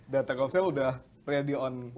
data telkomsel sudah ready on